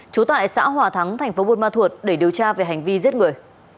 chú tại xã hòa thắng tp buôn ma thuột để điều tra về hành vi giết người